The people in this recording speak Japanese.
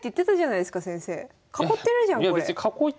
囲ってるじゃんこれ。